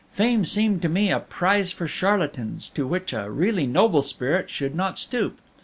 Fame seemed to me a prize for charlatans, to which a really noble spirit should not stoop.